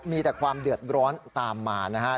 มีแต่ความเดือดร้อนตามมานะครับ